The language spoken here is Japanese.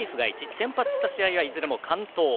先発した試合はいずれも完投。